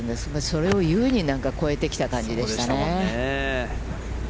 それを優に超えてきた感じでしたね。